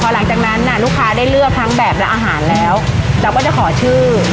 หลังจากนั้นน่ะลูกค้าได้เลือกทั้งแบบและอาหารแล้วเราก็จะขอชื่อ